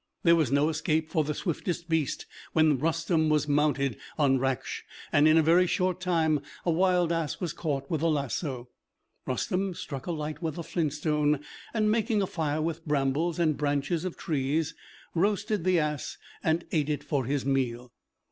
There was no escape for the swiftest beast when Rustem was mounted on Raksh, and in a very short time a wild ass was caught with the lasso. Rustem struck a light with a flintstone, and making a fire with brambles and branches of trees, roasted the ass and ate it for his meal.